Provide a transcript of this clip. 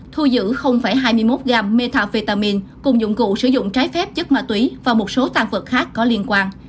thu giữ hai mươi một gam metafetamine cùng dụng cụ sử dụng trái phép chất ma túy và một số tăng vật khác có liên quan